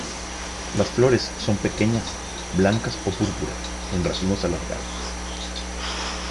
Las flores son pequeñas blancas o púrpuras en racimos alargados.